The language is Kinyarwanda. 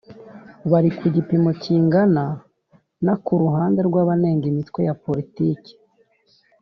bari ku gipimo kingana na Ku ruhande rw abanenga imitwe ya politiki